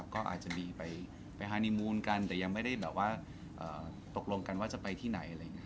ก็อาจจะมีไปฮานิมูนกันแต่ยังไม่ได้ตกลงกันว่าจะไปที่ไหน